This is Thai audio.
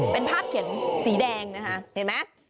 เป็นภาพเขียนสีแดงนะคะเห็นไหม